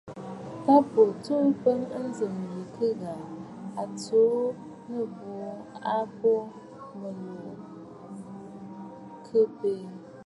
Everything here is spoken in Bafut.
Tâ bo tsuu bə̂ a njɨ̀m ɨ kɨ ghàà, ɨ tsuu ɨbùꞌù a mbo mɨ̀lùꞌù ɨ kɨɨ bə.